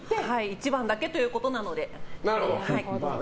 １番だけということなので。